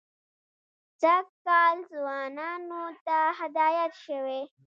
سږ کال ځوانانو ته هدایت شوی.